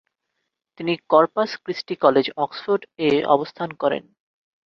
তিনি Corpus Christi college, অক্সফোর্ড-এ অবস্থান করেন।